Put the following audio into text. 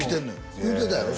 言うてたやろ？